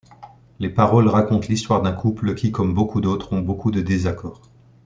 Les paroles racontes l'histoire d'un couple qui, comme beaucoup d'autres, ont beaucoup de désaccords.